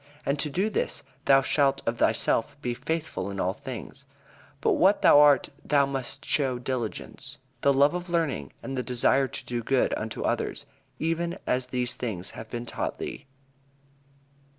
And to do this, thou shalt of thyself be faithful in all things. By what thou art thou must show diligence, the love for learning, and the desire to do good unto others, even as these things have been taught thee."